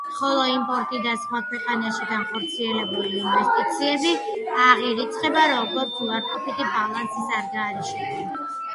ხოლო იმპორტი და სხვა ქვეყანაში განხორციელებული ინვესტიციები აღირიცხება როგორც უარყოფითი ბალანსის ანგარიშები.